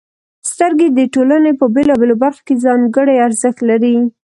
• سترګې د ټولنې په بېلابېلو برخو کې ځانګړې ارزښت لري.